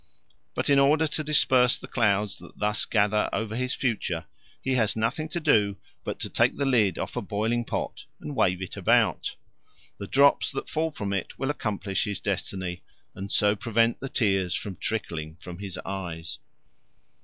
But in order to disperse the clouds that thus gather over his future, he has nothing to do but to take the lid off a boiling pot and wave it about. The drops that fall from it will accomplish his destiny and so prevent the tears from trickling from his eyes.